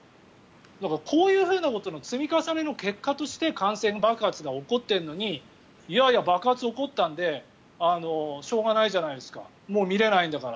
だから、こういうふうなことの積み重ねの結果として感染爆発が起こっているのにいやいや、爆発が起こったんでしょうがないじゃないですか診れないんだから。